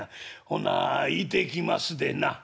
ほな行てきますでな」。